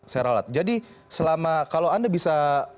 saya ralat jadi selama kalau anda bisa